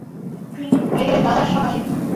তিনি হয়ে গেলেন রাজার সভাশিল্পী।